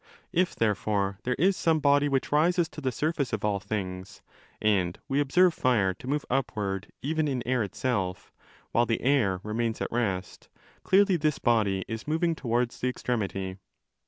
If therefore there is some body which rises to tHe surface of all things—and we observe fire to move upward even in air itself, while the air remains at rest >—clearly this body is moving towards the extremity.